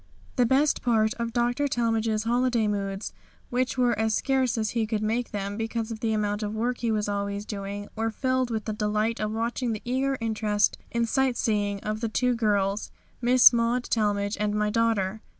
The best part of Dr. Talmage's holiday moods, which were as scarce as he could make them because of the amount of work he was always doing, were filled with the delight of watching the eager interest in sightseeing of the two girls, Miss Maud Talmage and my daughter.